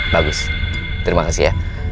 bagus terima kasih ya